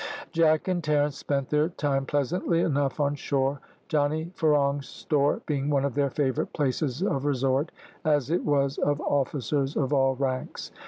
Jack and Terence spent their time pleasantly enough on shore, Johnny Ferong's store being one of their favourite places of resort, as it was of officers of all ranks.